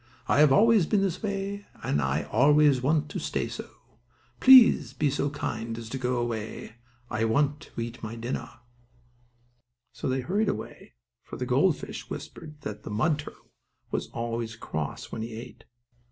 I have always been this way, and I always want to stay so. Please be so kind as to go away. I want to eat my dinner." So they hurried away, for the gold fish whispered that the mud turtle was always cross when he ate.